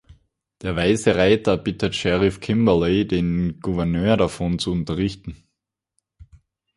Der weiße Reiter bittet Sheriff Kimberley den Gouverneur davon zu unterrichten.